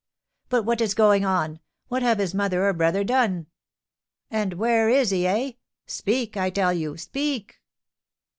"But what is going on? What have his mother or brother done? And where is he, eh? Speak, I tell you! Speak!"